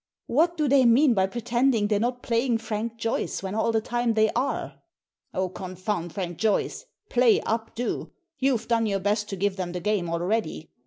"What do they mean by pretending they're not playing Frank Joyce when all the time they are? "" Oh, confound Frank Joyce I Play up, do. You've done your best to give them the game already.